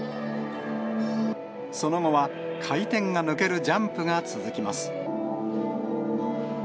その後は、回転が抜けるジャンプが続きます。